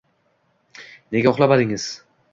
—Nega uxlamadingiz?